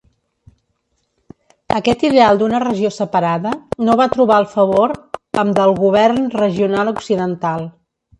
Aquest ideal d'una regió separada no va trobar el favor amb del govern regional occidental.